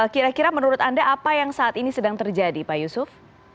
kira kira menurut anda apa yang saat ini sedang terjadi pak yusuf